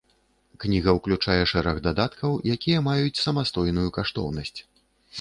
Кніга ўключае шэраг дадаткаў, якія маюць самастойную каштоўнасць.